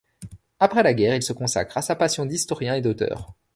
Après la guerre, il se consacre à sa passion d'historien et d'auteur.